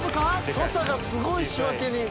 土佐がすごい仕分け人。